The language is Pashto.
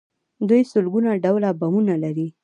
دوی سلګونه ډوله بمونه لري.